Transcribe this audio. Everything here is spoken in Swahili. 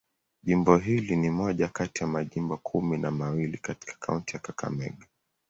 Jimbo hili ni moja kati ya majimbo kumi na mawili katika kaunti ya Kakamega.